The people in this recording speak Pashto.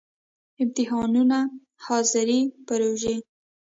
امتحانونه، ،حاضری، پروژی